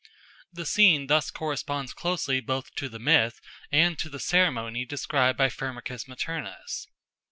The scene thus corresponds closely both to the myth and to the ceremony described by Firmicus Maternus.